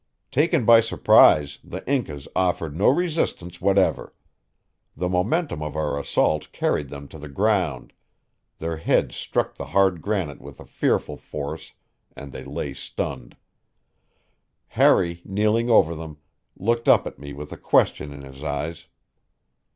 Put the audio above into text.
Taken by surprise, the Incas offered no resistance whatever. The momentum of our assault carried them to the ground; their heads struck the hard granite with fearful force and they lay stunned. Harry, kneeling over them, looked up at me with a question in his eyes.